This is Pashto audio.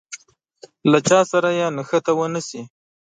له چا سره يې نښته ونه شي.